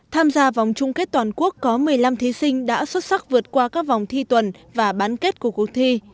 tham gia vòng chung kết toàn quốc có một mươi năm thí sinh đã xuất sắc vượt qua các vòng thi tuần và bán kết của cuộc thi